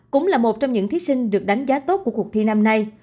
cũng là một trong những thí sinh được đánh giá tốt của cuộc thi năm nay